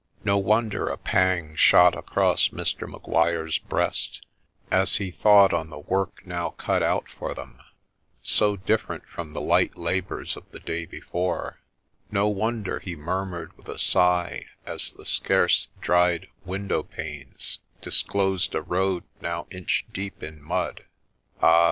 No wonder a pang shot across Mr. Maguire's breast, as he thought on the work now cut out for them, so different from the light labours of the day before ; no wonder he murmured with a sigh, as the scarce dried window panes disclosed a road now inch deep in mud, ' Ah